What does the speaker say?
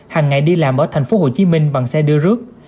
hàng ngày đi làm ở tp hcm bằng xe đưa rước